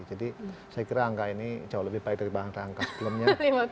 jadi saya kira angka ini jauh lebih baik daripada angka sebelumnya